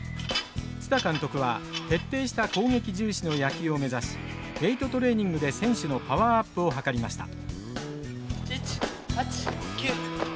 蔦監督は徹底した攻撃重視の野球を目指しウエイトトレーニングで選手のパワーアップを図りました。